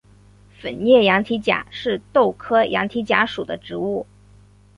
粉叶羊蹄甲是豆科羊蹄甲属的植物。